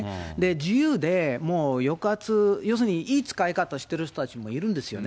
自由でもう抑圧、要するに、いい使い方してる人たちもいるんですよね。